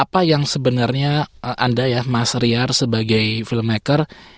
apa yang sebenarnya anda ya mas riar sebagai filmmaker